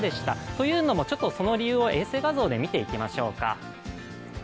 というのも、その理由を衛星画像で見ていきましょうか。